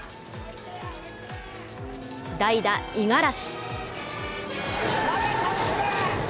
代打、五十嵐。